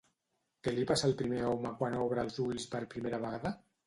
Què li passa al primer home quan obre els ulls per primera vegada?